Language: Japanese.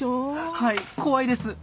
はい怖いです。